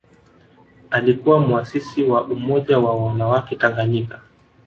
Alikuwa muasisi wa Umoja wa wanawake Tanganyika